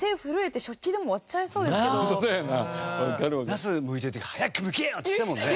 ナスむいてた時「早くむけよ」って言ってたもんね。